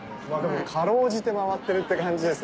かろうじて回ってるって感じです